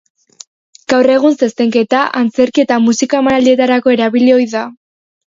Gaur egun zezenketa, antzerki eta musika emanaldietarako erabili ohi da.